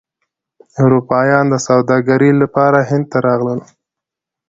اروپایان د سوداګرۍ لپاره هند ته راغلل.